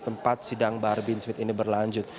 tempat sidang bahar bin smith ini berlanjut